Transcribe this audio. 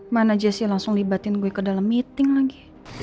mana jessi langsung libatin gue ikut dalam meeting lagi